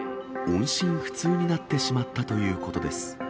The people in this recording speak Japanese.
音信不通になってしまったということです。